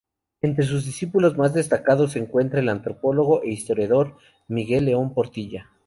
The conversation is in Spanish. Entre sus discípulos más destacados se encuentra el antropólogo e historiador Miguel León-Portilla.